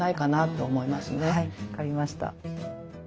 はい分かりました。